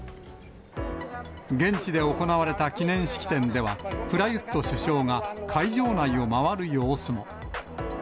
現地で行われた記念式典では、プラユット首相が会場内を回る様子も。